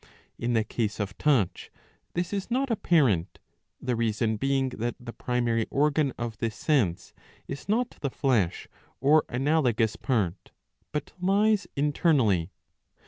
In the case of touch this is not apparent, the reason being that the primary organ of this sense is not the flesh or analogous part, but lies internally